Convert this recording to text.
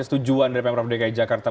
setujuan dari pmrf dki jakarta